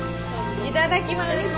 いただきます！